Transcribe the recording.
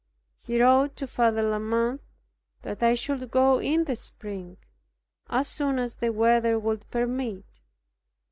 He wrote to Father La Mothe that I should go in the spring, as soon as the weather would permit.